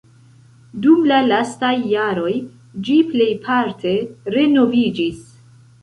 Dum la lastaj jaroj ĝi plejparte renoviĝis.